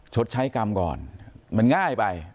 ชดใช้กรรมก่อนสามารถมันง่ายไป